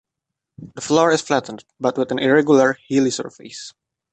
The floor is flattened, but with an irregular, hilly surface.